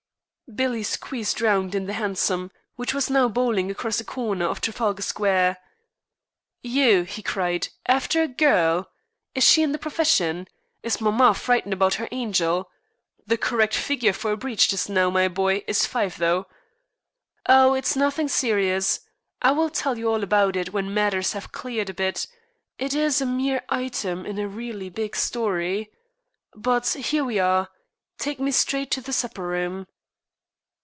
Billy squeezed round in the hansom, which was now bowling across a corner of Trafalgar Square. "You," he cried. "After a girl! Is she in the profession? Is mamma frightened about her angel? The correct figure for a breach just now, my boy, is five thou'." "Oh, it's nothing serious. I will tell you all about it when matters have cleared a bit. It is a mere item in a really big story. But, here we are. Take me straight to the supper room."